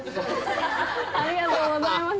ありがとうございます。